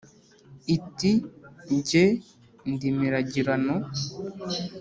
iti : jye ndi miragirano